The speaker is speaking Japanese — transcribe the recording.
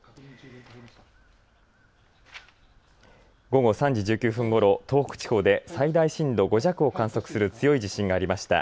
午後３時１９分ごろ東北地方で最大震度５弱を観測する強い地震がありました。